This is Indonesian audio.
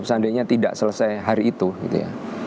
seandainya tidak selesai hari itu gitu ya